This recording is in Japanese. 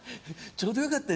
ちょうどよかった？